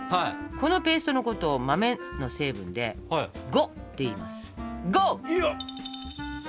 このペーストのことを豆の成分で「呉」っていいます。